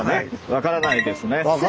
わからないですね。